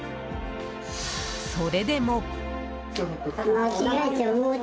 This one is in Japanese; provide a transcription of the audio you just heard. それでも。